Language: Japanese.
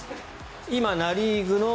今、ナ・リーグの。